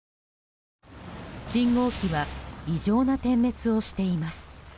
信号機は異常な点滅をしています。